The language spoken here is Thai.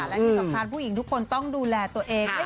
และสต่อปรับมาผู้หญิงทุกคนต้องดูแลตัวเอง